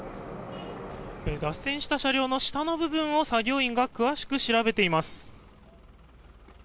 脱線した車両の下の部分を作業員が詳しく調べています。